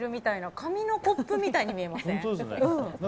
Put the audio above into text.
紙のコップみたいに見えません？